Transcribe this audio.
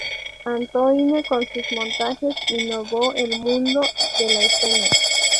Antoine con sus montajes innovó el mundo de la escena.